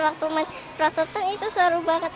waktu main perosotan itu seru banget